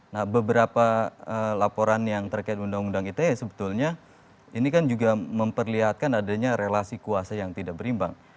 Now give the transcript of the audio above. nah beberapa laporan yang terkait undang undang ite sebetulnya ini kan juga memperlihatkan adanya relasi kuasa yang tidak berimbang